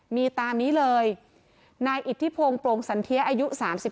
มีตามนี้เลยนายอิทธิพงศ์โปรงสันเทียอายุ๓๒